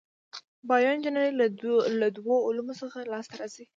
بایو انجنیری له دوو علومو څخه لاس ته راځي.